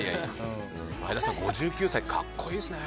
前田さん、５９歳格好いいですね。